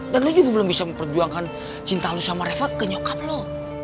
dan lo juga belum bisa memperjuangkan cinta lo sama reva ke nyokap lo